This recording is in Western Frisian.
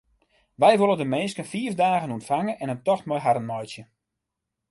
Wy wolle de minsken fiif dagen ûntfange en in tocht mei harren meitsje.